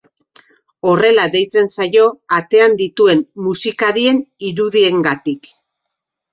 Horrela deitzen zaio atean dituen musikarien irudiengatik.